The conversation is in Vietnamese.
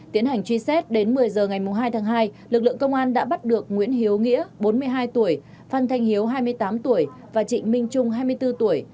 tiến hành truy xét đến một mươi h ngày hai tháng hai lực lượng công an đã bắt được nguyễn hiếu nghĩa bốn mươi hai tuổi phan thanh hiếu hai mươi tám tuổi và trịnh minh trung hai mươi bốn tuổi